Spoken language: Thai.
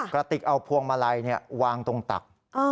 กระติกเอาพวงมาลัยวางตรงตัก